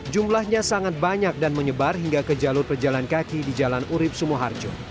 jumlahnya sangat banyak dan menyebar hingga ke jalur pejalan kaki di jalan urib sumoharjo